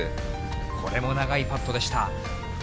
これも長いパットでした。